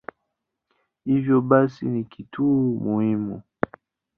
Hivyo basi ni kituo muhimu.